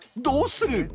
どうする？